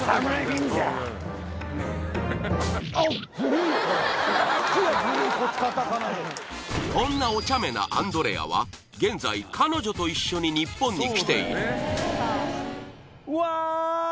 忍者おっこんなおちゃめなアンドレアは現在彼女と一緒に日本に来ているうわ！